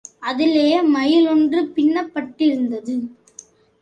அதிலே, மயிலொன்று பின்னப்பட்டிருந்தது.